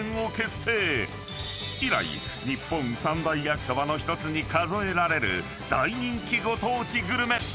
［以来日本三大焼きそばの１つに数えられる大人気ご当地グルメ］